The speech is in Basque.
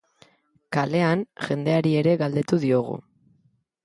Kalean, jendeari ere galdetu diogu.